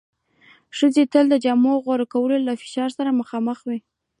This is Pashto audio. ښځې تل د جامو د غوره کولو له فشار سره مخ وې.